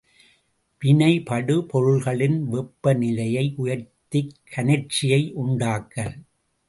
வினைபடுபொருள்களின் வெப்பநிலையை உயர்த்திக் கனற்சியை உண்டாக்கல்.